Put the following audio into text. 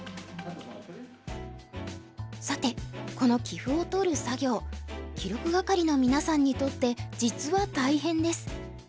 さてこの棋譜を取る作業記録係の皆さんにとって実は大変です。